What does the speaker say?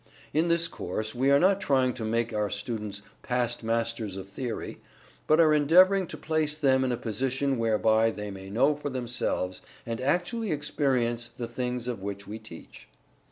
In this course we are not trying to make our students past masters of theory, but are endeavoring to place them in a position whereby they may know for themselves, and actually experience the things of which we teach.